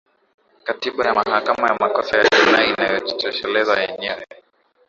katiba ya mahakama ya makosa ya jinai inajitosheleza yenyewe